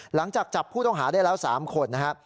หลังจากจับผู้ต้องหาได้แล้ว๓คนนะครับ